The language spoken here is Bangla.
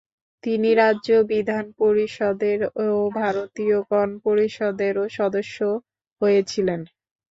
তিনি রাজ্য বিধান পরিষদের ও ভারতীয় গণ-পরিষদেরও সদস্য হয়েছিলেন।